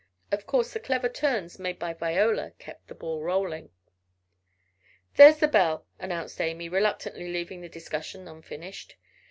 Of course the clever turns made by Viola, kept "the ball rolling." "There's the bell!" announced Amy, reluctantly leaving the discussion unfinished.